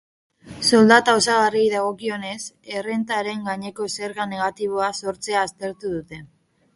Soldata osagarriei dagokienez, errentaren gaineko zerga negatiboa sortzea aztertu dute.